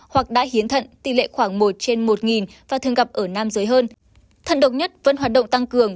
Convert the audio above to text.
hoặc đã hiến thận tỷ lệ khoảng một trên một và thường gặp ở nam giới hơn thận độc nhất vẫn hoạt động tăng cường